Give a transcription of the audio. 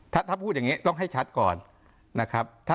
ถ้าพูดอย่างนี้ต้องให้ชัดก่อนนะครับ